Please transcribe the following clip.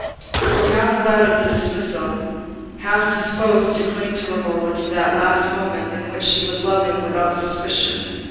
He was half glad of the dismissal, half disposed to cling to Romola to the last moment in which she would love him without suspicion.